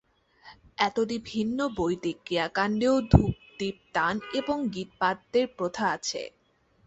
এতদ্ভিন্ন বৈদিক ক্রিয়াকাণ্ডেও ধূপদীপ দান এবং গীতবাদ্যের প্রথা আছে।